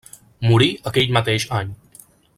Morí aquell mateix any.